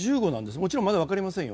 もちろんまだ、分かりませんよ。